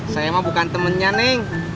saya mah bukan temennya nih